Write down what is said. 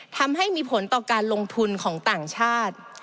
ทำให้มีผลต่อการลงทุนของต่างชาติ